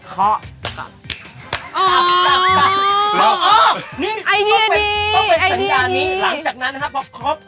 เคาะกลับ